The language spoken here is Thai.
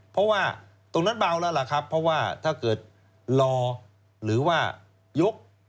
เพราะว่าตรงนั้นเบาแล้วล่ะครับเพราะว่าถ้าเกิดรอหรือว่ายก